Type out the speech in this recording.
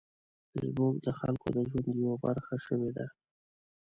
فېسبوک د خلکو د ژوند یوه برخه شوې ده